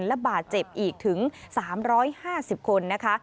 และบาดเจ็บอีกถึง๓๕๐คนนะคะ